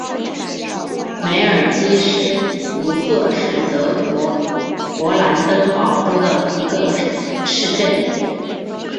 梅尔基施卢赫是德国勃兰登堡州的一个市镇。